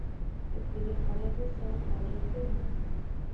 د کلي خلک ورسره خواږه کوي.